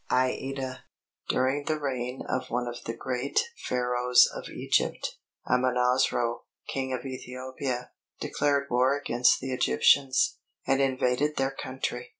AÏDA During the reign of one of the great Pharaohs of Egypt, Amonasro, King of Ethiopia, declared war against the Egyptians, and invaded their country.